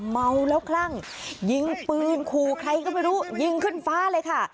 เมาแล้วคลั่งยิงปืนขู่ใครก็ไม่รู้ยิงขึ้นฟ้าเลยค่ะ